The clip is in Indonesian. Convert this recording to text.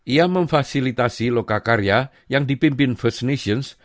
ia memfasilitasi loka karya yang dipimpin first nations